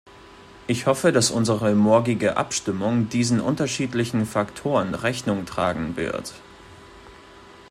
Ich hoffe, dass unsere morgige Abstimmung diesen unterschiedlichen Faktoren Rechnung tragen wird.